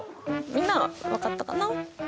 みんなは分かったかな？